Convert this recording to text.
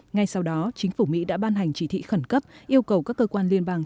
ngay sau đó chính phủ mỹ đã ban hành chỉ thị khẩn cấp yêu cầu các cơ quan liên bang